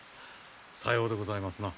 さようでございますな。